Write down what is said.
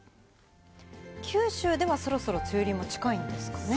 九州ではそろそろ梅雨入りも近いんですかね。